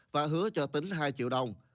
và hứa cho tính hai triệu đồng